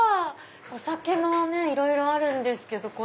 お酒もいろいろあるんですけど。